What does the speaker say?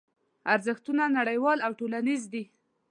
ارزښتونه نړیوال او ټولنیز دي.